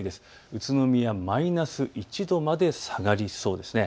宇都宮マイナス１度まで下がりそうです。